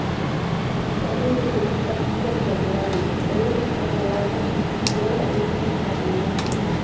Dispone de seis capillas laterales, tres a cada lado, y su coro es rectangular.